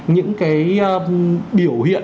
những cái biểu hiện